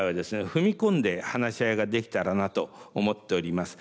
踏み込んで話し合いができたらなと思っております。